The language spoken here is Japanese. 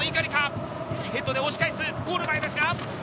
ヘッドで押し返す、ゴール前。